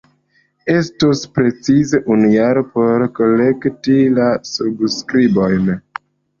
Estos precize unu jaro por kolekti la subskribojn.